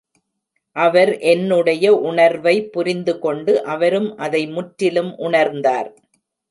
அவர் என்னுடைய உணர்வை புரிந்துக்கொண்டு அவரும் அதை முற்றிலும் உணர்ந்தார்.